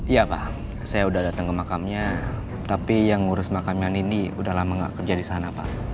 iya pak saya udah datang ke makamnya tapi yang ngurus makaman ini udah lama gak kerja di sana pak